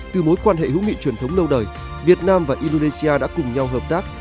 từ mối quan hệ hữu nghị truyền thống lâu đời việt nam và indonesia đã cùng nhau hợp tác